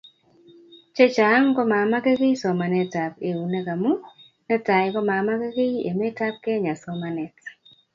Che chang komamakekiy somanetab eunek amu; Netai komamakekiy emetab Kenya somanet